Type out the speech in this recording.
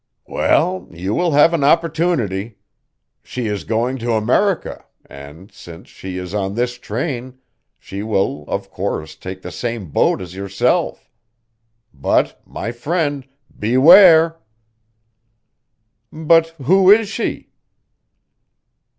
"Well, you will have an opportunity. She is going to America, and, since she is on this train, she will, of course, take the same boat as yourself. But, my friend, beware!" "But who is she?"